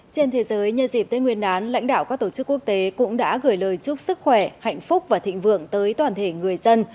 trên thế giới nhân dịp tết nguyên đán lãnh đạo các tổ chức quốc tế cũng đã gửi lời chúc sức khỏe hạnh phúc và thịnh vượng tới toàn thể người dân